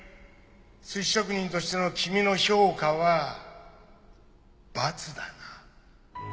寿司職人としての君の評価はバツだな。